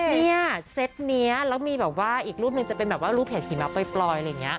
เนี่ยเซ็ตนี้แล้วมีแบบว่าอีกรูปหนึ่งจะเป็นแบบว่ารูปเห็ดหิมะปล่อยอะไรอย่างนี้